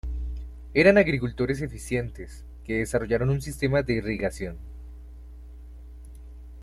Eran agricultores eficientes, que desarrollaron un sistema de irrigación.